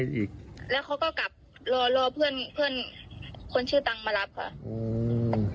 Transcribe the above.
แล้วเขาก็กลับรอเพื่อนคนชื่อตังมารับค่ะ